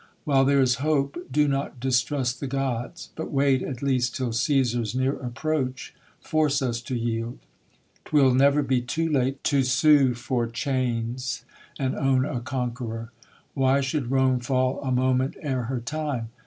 While there is hope, do not distrust the gods ; But wait at least till Cesar's near approach Force us to yield. 'Twill never be too late To sue for chains, and own a conqueror. Why should Rome fall a moment ere her time